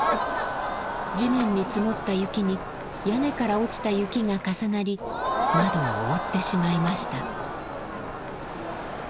地面に積もった雪に屋根から落ちた雪が重なり窓を覆ってしまいました。